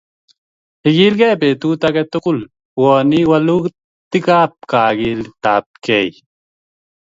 Ikilgei petut age tugul pwani walutikap kakiletapkei